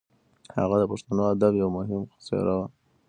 هغه د پښتو ادب یو مهم څېره وه.